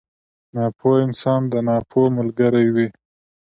ناپوه انسان د ناپوه ملګری وي.